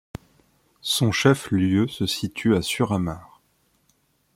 Son chef-lieu se situe à Surahammar.